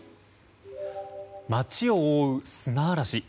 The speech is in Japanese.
街を覆う砂嵐。